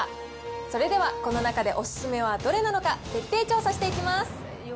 それではこの中でお勧めはどれなのか、徹底調査していきます。